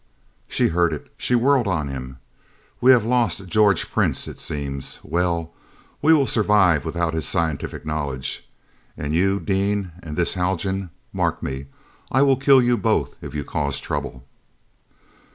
She heard it. She whirled on him. "We have lost George Prince, it seems. Well, we will survive without his scientific knowledge. And you, Dean and this Haljan, mark me I will kill you both if you cause trouble!"